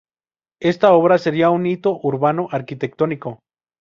Esta obra sería un hito urbano-arquitectónico.